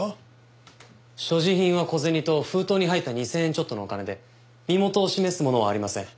所持品は小銭と封筒に入った２０００円ちょっとのお金で身元を示すものはありません。